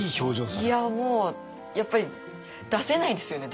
いやもうやっぱり出せないですよね。